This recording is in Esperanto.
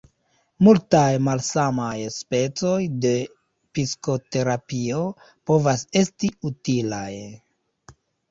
Multaj malsamaj specoj de psikoterapio povas esti utilaj.